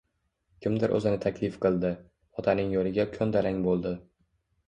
Kimdir o‘zini taklif qildi, otaning yo‘liga ko‘ndalang bo‘ldi